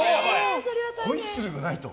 ホイッスルがないと。